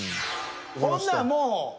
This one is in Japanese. ほなもう。